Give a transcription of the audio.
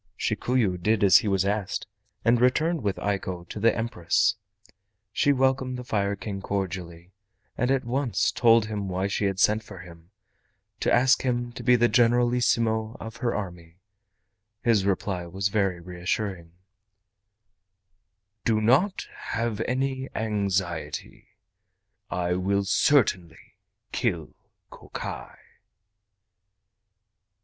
Shikuyu did as he was asked, and returned with Eiko to the Empress. She welcomed the Fire King cordially, and at once told him why she had sent for him—to ask him to be the Generalissimo of her army. His reply was very reassuring: "Do not have any anxiety. I will certainly kill Kokai."